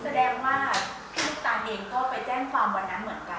แสดงว่าพี่น้ำตาลเองก็ไปแจ้งความวันนั้นเหมือนกัน